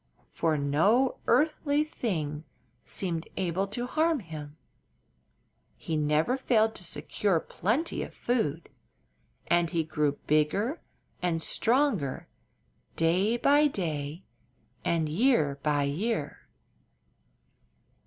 For no earthly thing seemed able to harm him; he never failed to secure plenty of food, and he grew bigger and stronger day by day and year by year.